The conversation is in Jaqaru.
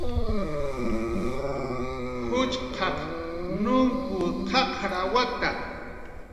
Juchqaq nunkw qaqrawata